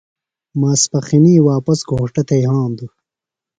ماسپخِنی واپس گھوݜٹہ تھےۡ یھاندُوۡ۔